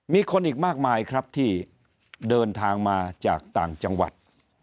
มีคนอีกมากมายครับที่เดินทางมาจากต่างจังหวัด